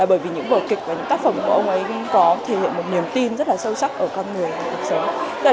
là bởi vì những vở kịch và những tác phẩm của ông ấy có thể hiện một niềm tin rất là sâu sắc ở con người